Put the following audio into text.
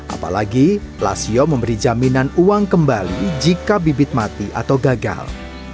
apalagi lasio memberi jaminan uang kembali jika bibit mati atau gagal